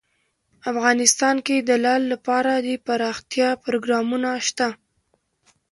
افغانستان کې د لعل لپاره دپرمختیا پروګرامونه شته.